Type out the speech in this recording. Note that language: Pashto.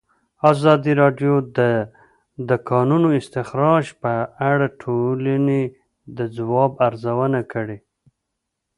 ازادي راډیو د د کانونو استخراج په اړه د ټولنې د ځواب ارزونه کړې.